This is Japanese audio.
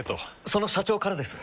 その社長からです。